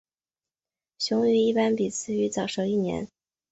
雄鱼一般比雌鱼早熟一年。